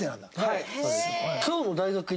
はい。